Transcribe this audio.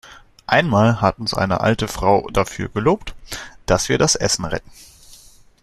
Einmal hat uns eine alte Frau dafür gelobt, dass wir das Essen retten.